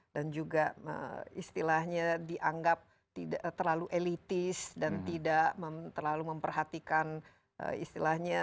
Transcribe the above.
dan juga istilahnya dianggap terlalu elitis dan tidak terlalu memperhatikan istilahnya